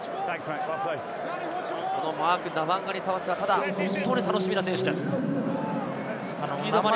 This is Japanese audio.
マーク・ナワンガニタワセは本当に楽しみな選手です。